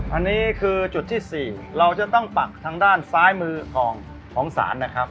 อันนี้คือจุดที่๔เราจะต้องปักทางด้านซ้ายมือของศาลนะครับ